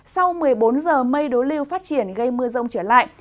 sau một mươi bốn giờ mây đối lưu phát triển gây mưa rông trở lại